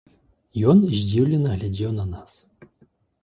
Ён здзіўлена глядзеў на нас.